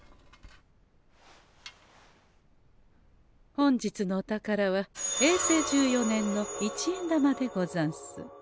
本日のお宝は平成十四年の一円玉でござんす。